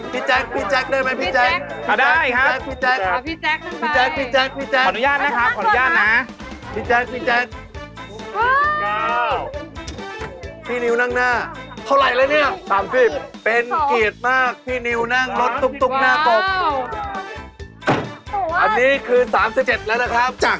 พี่แจ๊ค